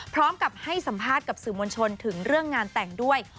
พร้อมกับให้สัมภาษณ์กับสื่อมวลชนถึงเรื่องงานแต่งด้วย